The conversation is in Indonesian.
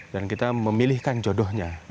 dan kita memilihkan jodohnya